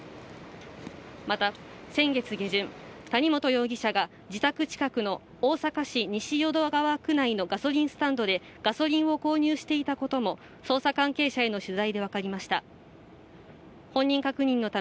また先月下旬、谷本容疑者が自宅近くの大阪市西淀川区内のガソリンスタンドでガソリンを購入していたことも捜査関係者への取材でわかりました。